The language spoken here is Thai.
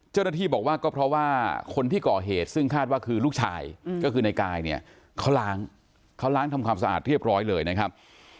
เจ้าหน้าที่บอกว่าก็เพราะว่าคนที่ก่อเหตุซึ่งคาดว่าคือลูกชายก็คือในกายเนี่ยเขาล้างเขาล้างทำความสะอาดเรียบร้อยเลยนะครับ